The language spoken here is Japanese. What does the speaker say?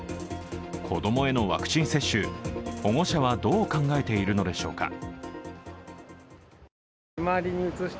子供へのワクチン接種、保護者はどう考えているのでしょうか。